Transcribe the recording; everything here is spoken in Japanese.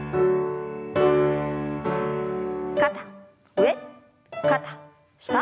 肩上肩下。